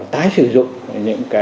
tái sử dụng